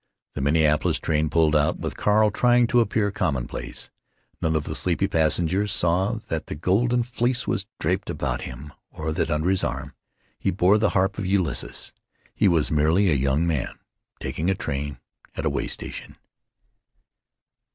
The Minneapolis train pulled out, with Carl trying to appear commonplace. None of the sleepy passengers saw that the Golden Fleece was draped about him or that under his arm he bore the harp of Ulysses. He was merely a young man taking a train at a way station.